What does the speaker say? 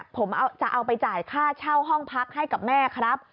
ผมจะเอาไปจ่ายค่าเช่าห้องพักให้กับแม่ครับ